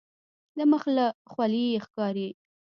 د مخ له خولیې یې ښکاري.